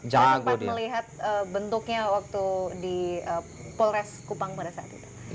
saya sempat melihat bentuknya waktu di polres kupang pada saat itu